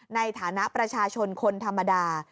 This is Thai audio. ในฐานะประชาชนคนธรรมดา